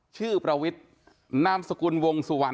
ประวิทย์นามสกุลวงสุวรรณ